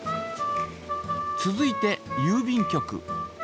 続いてゆう便局。